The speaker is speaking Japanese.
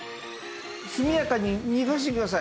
速やかに逃がしてください。